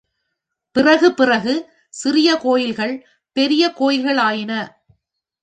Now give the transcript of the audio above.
பிறகு பிறகு சிறிய கோயில்கள் பெரிய கோயில்களாயின.